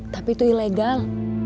tapi itu ilegal